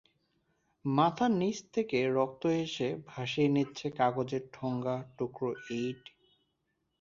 মাথার নিচ থেকে রক্ত এসে ভাসিয়ে নিচ্ছে কাগজের ঠোঙা, টুকরো ইট।